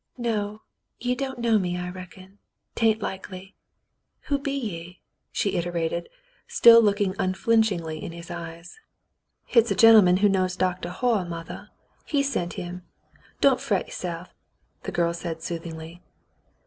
"No, ye don't know me, I reckon. 'Tain't likely. Wlio be ye ?" she iterated, still looking unflinchingly in his eyes. "Hit's a gentleman who knows Doctah Hoyle, mothah. He sent him. Don't fret you'se'f," said the girl soothingly.